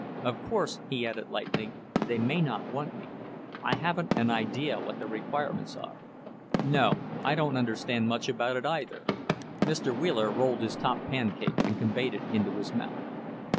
Of course," he added lightly, "they may not want me. I haven't an idea what the requirements are." "No, I don't understand much about it either." Mr. Wheeler rolled his top pancake and conveyed it to his mouth.